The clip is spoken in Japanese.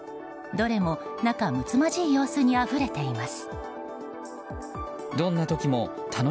どれも仲むつまじい様子にあふれています。